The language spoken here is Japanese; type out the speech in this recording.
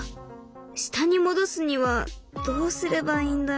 下に戻すにはどうすればいいんだろう。